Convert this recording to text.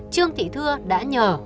trương thị thưa đã bắt bỏ chồng lại